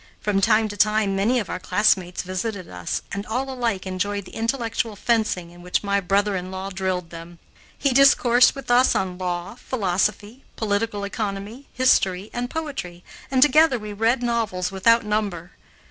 From time to time many of our classmates visited us, and all alike enjoyed the intellectual fencing in which my brother in law drilled them. He discoursed with us on law, philosophy, political economy, history, and poetry, and together we read novels without number.